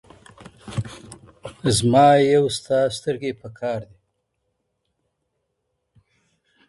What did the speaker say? زما يو ستا سترګې پکار دي